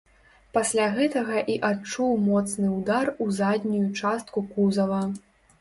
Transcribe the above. Пасля гэтага і адчуў моцны ўдар у заднюю частку кузава.